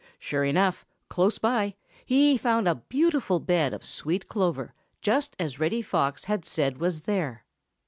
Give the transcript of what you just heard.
Sure enough, close by, he found a beautiful bed of sweet clover, just as Reddy Fox had said was there.